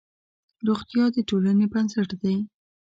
روغتیا د ټولنې بنسټ دی.